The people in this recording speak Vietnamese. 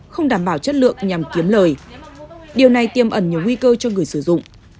không đảm bảo chất lượng nhằm kiếm lời điều này tiêm ẩn nhiều nguy cơ cho người sử dụng